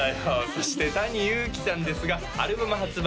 そしてＴａｎｉＹｕｕｋｉさんですがアルバム発売